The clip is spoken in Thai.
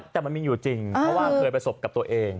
แต่มันมีอยู่จริงเพราะว่าเคยประสบกับตัวเอง